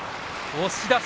押し出し。